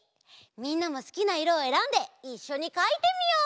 みんなもすきないろをえらんでいっしょにかいてみよう！